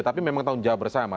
tapi memang tahun jauh bersama